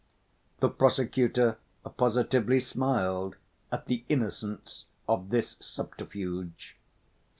The prosecutor positively smiled at the "innocence of this subterfuge."